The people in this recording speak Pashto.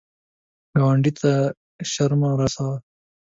ګاونډي ته شر مه رسوه